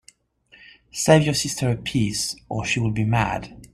Save you sister a piece, or she will be mad.